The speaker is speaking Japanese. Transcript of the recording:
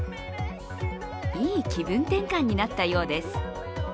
いい気分転換になったようです。